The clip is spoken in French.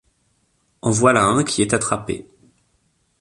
En voilà un qui est attrapé!